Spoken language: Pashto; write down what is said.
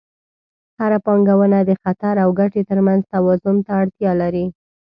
هره پانګونه د خطر او ګټې ترمنځ توازن ته اړتیا لري.